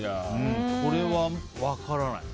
これは分からない。